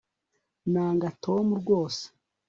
nanga tom rwose